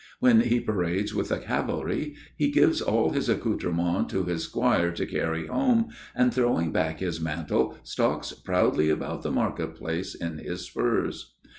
When he parades with the cavalry, he gives all his accoutrements to his squire to carry home, and throwing back his mantle stalks proudly about the market place in his spurs.